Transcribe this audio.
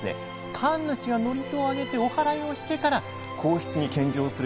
神主が祝詞をあげておはらいをしてから皇室に献上するびわを選んでいました。